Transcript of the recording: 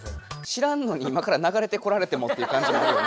知らんのに今から流れてこられてもっていうかんじ。